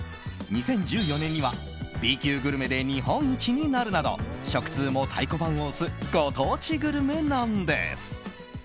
２０１４年には、Ｂ級グルメで日本一になるなど食通も太鼓判を押すご当地グルメなんです。